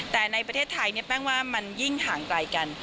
แต่ในประเทศไทยแป้งว่ามันยิ่งห่างไกลกัน